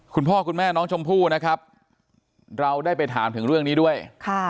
คุณพ่อคุณแม่น้องชมพู่นะครับเราได้ไปถามถึงเรื่องนี้ด้วย